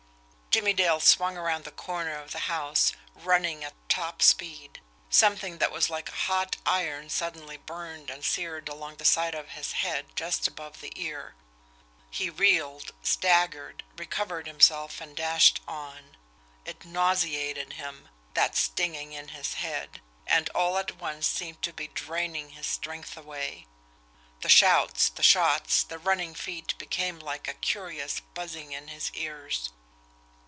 Jimmie Dale swung around the corner of the house, running at top speed. Something that was like a hot iron suddenly burned and seared along the side of his head just above the ear. He reeled, staggered, recovered himself, and dashed on. It nauseated him, that stinging in his head, and all at once seemed to be draining his strength away. The shouts, the shots, the running feet became like a curious buzzing in his ears.